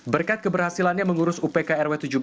berkat keberhasilannya mengurus upk rw tujuh belas